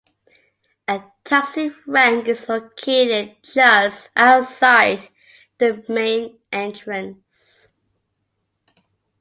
A taxi rank is located just outside the main entrance.